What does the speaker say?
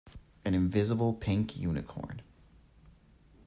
An invisible pink unicorn.